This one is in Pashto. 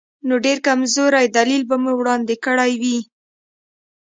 نو ډېر کمزوری دلیل به مو وړاندې کړی وي.